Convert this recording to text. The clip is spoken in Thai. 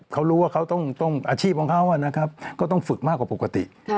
เขารู้ว่าเขาต้องอาชีพของเขานะครับก็ต้องฝึกมากกว่าปกติ